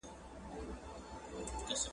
هر ځای چې ښوونځي خوندي وي، والدین اندېښمن نه وي.